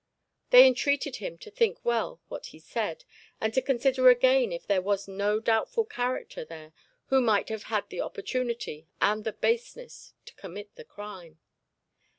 They entreated him to think well what he said, and to consider again if there was no doubtful character there who might have had the opportunity and the baseness to commit the crime.